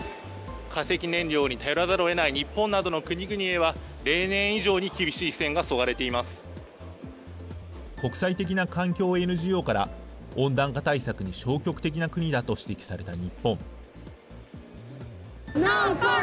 化石燃料に頼らざるをえない日本などの国々へは例年以上に厳しい国際的な環境ＮＧＯから温暖化対策に消極的な国だと指摘された日本。